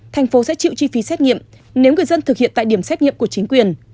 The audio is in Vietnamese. thành phố sẽ chịu chi phí xét nghiệm nếu người dân thực hiện tại điểm xét nghiệm của chính quyền